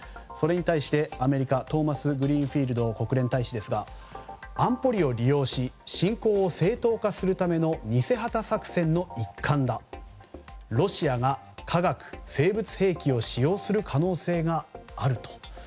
それに対してアメリカトーマス・グリーンフィールド国連大使ですが安保理を利用し侵攻を正当化するための偽旗作戦の一環だロシアが化学・生物兵器を使用する可能性があると。